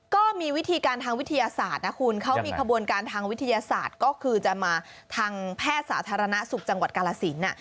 ก็มีวิธีการทางวิทยาศาสตร์นะคุณเขามีขบวนการทางวิทยาศาสตร์ก็คือจะมาทางแพทย์สาธารณสุขจังหวัดกาลสิน